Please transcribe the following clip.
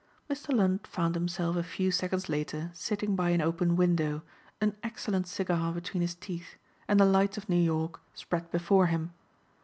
Mr. Lund found himself a few seconds later sitting by an open window, an excellent cigar between his teeth, and the lights of New York spread before him.